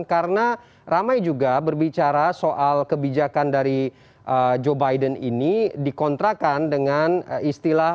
karena ramai juga berbicara soal kebijakan dari joe biden ini dikontrakan dengan istilah